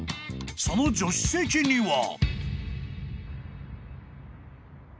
その助手席には］